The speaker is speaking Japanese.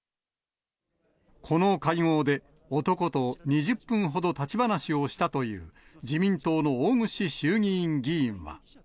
この会合で、男と２０分ほど立ち話をしたという、自民党の大串衆議院議員は。